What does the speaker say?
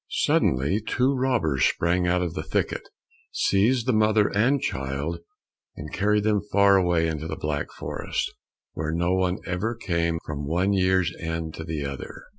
Suddenly two robbers sprang out of the thicket, seized the mother and child, and carried them far away into the black forest, where no one ever came from one year's end to another.